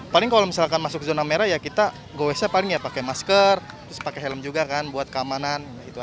paling kalau masuk ke zona merah kita gowesnya pakai masker pakai helm juga buat keamanan